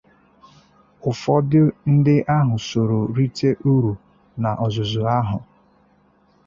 Ụfọdụ ndị ahụ soro rite uru n'ọzụzụ ahụ